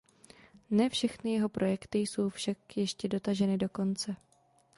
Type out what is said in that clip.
Ne všechny jeho projekty jsou však ještě dotaženy do konce.